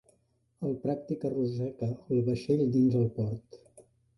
El pràctic arrossega el vaixell dins el port.